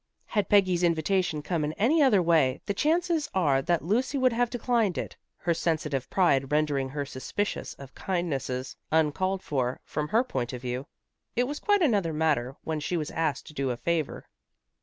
Had Peggy's invitation come in any other way, the chances are that Lucy would have declined it, her sensitive pride rendering her suspicious of kindnesses uncalled for, from her point of view. It was quite another matter when she was asked to do a favor.